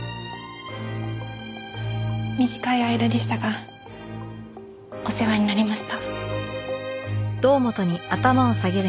短い間でしたがお世話になりました。